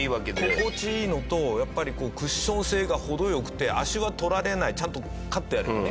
心地いいのとやっぱりこうクッション性が程良くて足はとられないちゃんと刈ってあればね